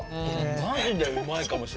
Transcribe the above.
マジでうまいかもしれない。